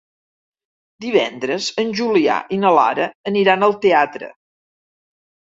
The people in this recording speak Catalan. Divendres en Julià i na Lara aniran al teatre.